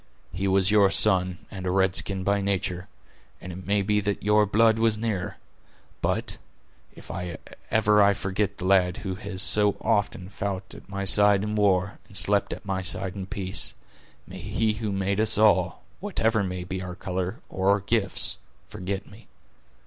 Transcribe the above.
He was your son, and a red skin by nature; and it may be that your blood was nearer—but, if ever I forget the lad who has so often fou't at my side in war, and slept at my side in peace, may He who made us all, whatever may be our color or our gifts, forget me!